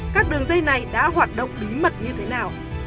các đường dây này đã hoạt động bí mật như thế nào